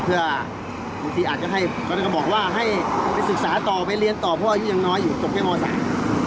เพื่ออาจจะให้บอกว่าให้ไปศึกษาต่อไปเรียนต่อพ่ออยู่ยังน้อยอยู่จบเท่าไหร่